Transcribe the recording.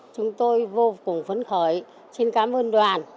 chúng tôi vô cùng phấn khởi xin cám ơn đoàn